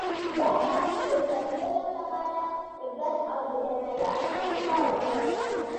دا کار یې د ژوندیو لپاره عبرت او د جنایت سزا وبلله.